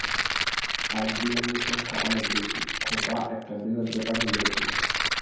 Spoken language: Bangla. আজ বিনানির সংখ্যা অনেক বেশি, খোঁপা একটা বৃহৎ ব্যাপার হইয়া উঠিল।